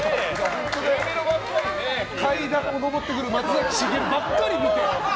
階段を上ってくる松崎しげるばっかり見て。